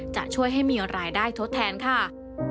จะช่วยให้มีรายได้ทดแทนค่ะ